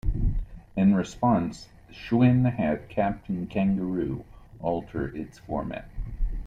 In response, Schwinn had "Captain Kangaroo" alter its format.